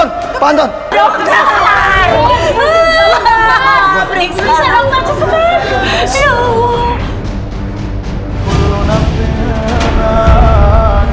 ya allah ya allah